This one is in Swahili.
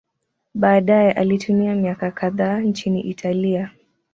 Baadaye alitumia miaka kadhaa nchini Italia.